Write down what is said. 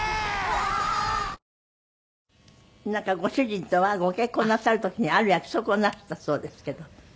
わぁなんかご主人とはご結婚なさる時にある約束をなすったそうですけど。